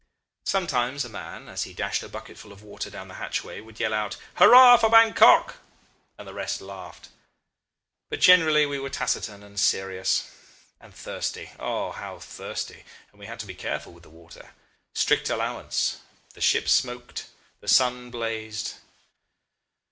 Sometimes a man, as he dashed a bucketful of water down the hatchway, would yell out, 'Hurrah for Bankok!' and the rest laughed. But generally we were taciturn and serious and thirsty. Oh! how thirsty! And we had to be careful with the water. Strict allowance. The ship smoked, the sun blazed....